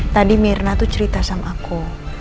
tadi mirna tuh cerita sama aku